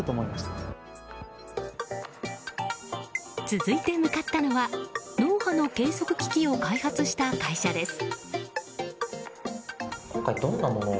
続いて向かったのは脳波の計測機器を開発した会社です。